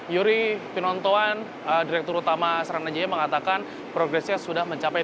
yuri pinontoan direktur utama seranajaya mengatakan progresnya sudah mencapai